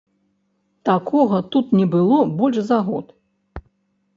Такога тут не было больш за год.